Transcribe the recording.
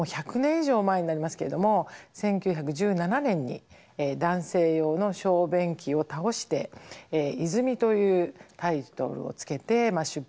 以上前になりますけれども１９１７年に男性用の小便器を倒して「泉」というタイトルをつけて出品しようとしたと。